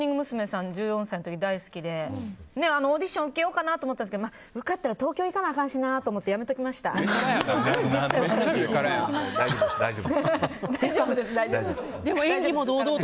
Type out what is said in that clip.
さん１４歳の時大好きで、あのオーディション受けようかなと思ったんですけど受かったら東京行かなあかんしなと思って大丈夫です、大丈夫です。